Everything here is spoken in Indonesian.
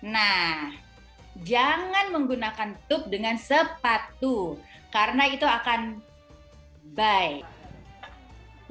nah jangan menggunakan tup dengan sepatu karena itu akan baik